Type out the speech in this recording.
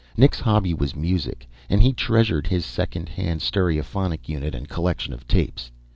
Nick's hobby was music, and he treasured his second hand stereophonic unit and collection of tapes.